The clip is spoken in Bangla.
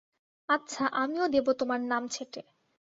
আচ্ছা, আমিও দেব তোমার নাম ছেঁটে।